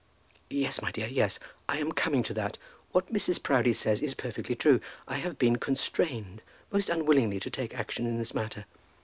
"Yes, my dear, yes; I am coming to that. What Mrs. Proudie says is perfectly true. I have been constrained most unwillingly to take action in this matter.